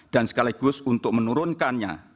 dan sekaligus untuk menurunkannya